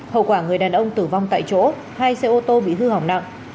hậu quả người đàn ông tử vong tại chỗ hai xe ô tô bị hư hỏng nặng